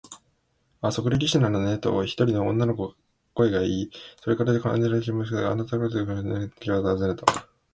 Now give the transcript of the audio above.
「ああ、測量技師なのね」と、一人の女の声がいい、それから完全な沈黙がつづいた。「あなたがたは私をご存じなんですね？」と、Ｋ はたずねた。